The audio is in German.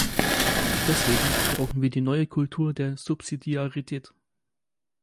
Deswegen brauchen wir die neue Kultur der Subsidiarität.